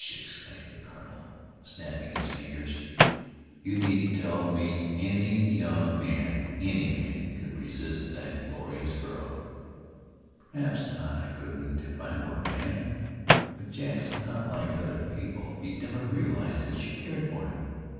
exclaimed the colonel, snapping his fingers. "You needn't tell me any young man any man, could resist that glorious girl." "Perhaps not; I couldn't if I were a man. But Jack's not like other people. He'd never realize that she cared for him.